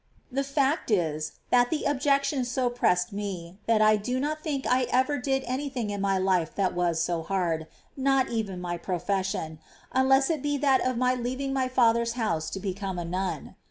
The fact is, that the objection so pressed me, that I do not think I ever did any thing in my life that was so hard — not even my profession — unless it be that of my leaving my father's house to become a nun.